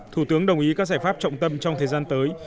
thủ tướng đồng ý các giải pháp trọng tâm trong thời gian tới